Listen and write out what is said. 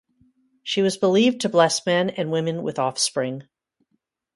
She was believed to bless men and women with offspring.